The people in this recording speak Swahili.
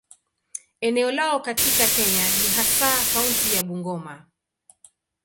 Eneo lao katika Kenya ni hasa kaunti ya Bungoma.